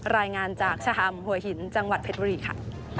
รายงานจากสหัมหัวหินจังหวัดเพชรบุรีค่ะ